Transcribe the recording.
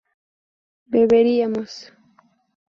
beberíamos